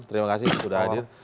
terima kasih sudah hadir